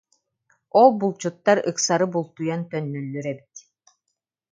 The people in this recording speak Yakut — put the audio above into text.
Ол булчуттар ыксары бултуйан төннөллөр эбит